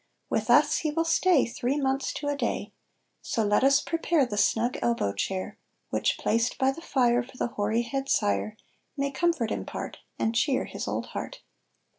With us he will stay Three months to a day, So let us prepare The snug elbow chair, Which placed by the fire For the hoary head sire, May comfort impart And cheer his old heart.